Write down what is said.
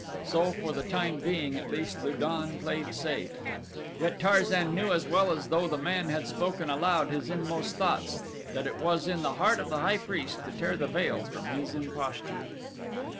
So, for the time being at least Lu don played safe. Yet Tarzan knew as well as though the man had spoken aloud his inmost thoughts that it was in the heart of the high priest to tear the veil from his imposture.